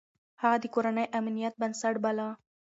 هغه د کورنۍ امنيت بنسټ باله.